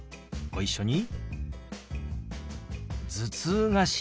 ご一緒に。